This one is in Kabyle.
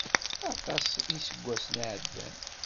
Aṭas n iseggasen i ɛeddan.